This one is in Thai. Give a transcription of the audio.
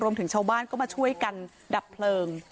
ชาวบ้านก็มาช่วยกันดับเพลิง